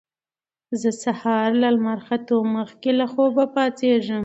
زه هر سهار له لمر ختو مخکې له خوبه پاڅېږم